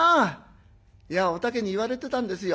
いやお竹に言われてたんですよ。